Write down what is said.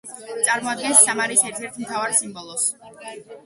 წარმოადგენს სამარის ერთ-ერთ მთავარ სიმბოლოს.